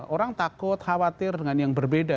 orang takut khawatir dengan yang berbeda